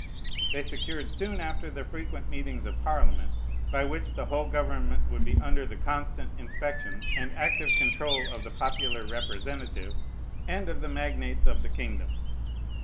They secured soon after the frequent meetings of Parliament, by which the whole government would be under the constant inspection and active control of the popular representative and of the magnates of the kingdom.